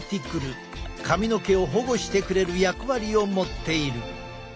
髪の毛を保護してくれる役割を持っている。